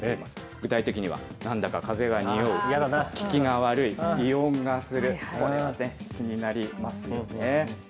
具体的には、なんだか風が臭う、効きが悪い、異音がする、こういうのは気になりますよね。